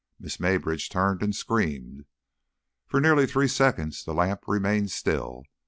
Miss Maybridge turned and screamed. For nearly three seconds the lamp remained still.